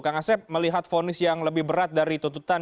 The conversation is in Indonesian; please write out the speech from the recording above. kang asep melihat fonis yang lebih berat dari tuntutan